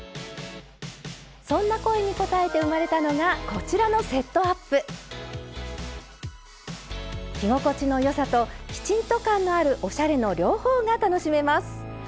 そんな声に応えて生まれたのがこちらの着心地の良さときちんと感のあるおしゃれの両方が楽しめます。